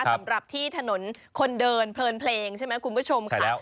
สำหรับที่ถนนคนเดินเพลินเพลงใช่ไหมคุณผู้ชมค่ะ